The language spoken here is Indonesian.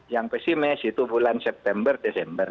yang pesimis itu bulan september desember